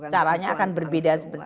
caranya akan berbeda